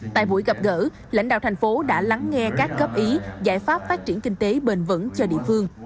tại buổi gặp gỡ lãnh đạo thành phố đã lắng nghe các góp ý giải pháp phát triển kinh tế bền vững cho địa phương